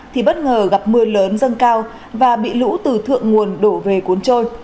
thì bất ngờ gặp mưa lớn dâng cao và bị lũ từ thượng nguồn đổ về cuốn trôi